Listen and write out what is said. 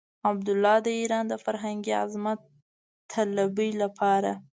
عبدالله د ايران د فرهنګي عظمت طلبۍ لپاره.